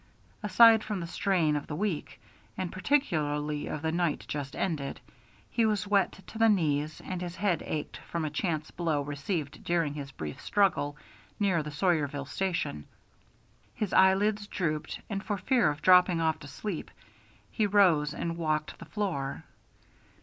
Aside from the strain of the week, and particularly of the night just ended, he was wet to the knees, and his head ached from a chance blow received during his brief struggle near the Sawyerville station. His eyelids drooped, and for fear of dropping off to sleep he rose and walked the floor.